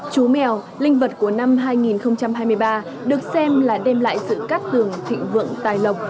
chú mèo linh vật của năm hai nghìn hai mươi ba được xem là đem lại sự cát tường thịnh vượng tài lộc